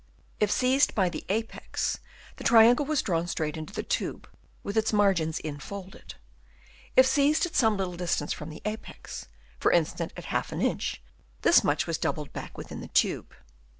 If seized by the apex, the triangle was drawn straight into the tube, with its margins infolded; if seized at some little distance from the apex, for instance at half an inch, this much was doubled back within the tube.